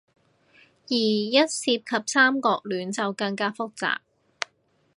而一涉及三角戀，就更加複雜